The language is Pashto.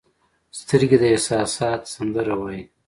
سترګې د احساسات سندره وایي